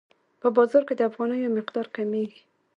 په بازار کې د افغانیو مقدار کمیږي.